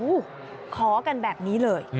โอ้โหขอกันแบบนี้เลย